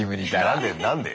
何で何でよ。